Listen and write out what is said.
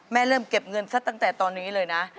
เริ่มเก็บเงินซะตั้งแต่ตอนนี้เลยนะ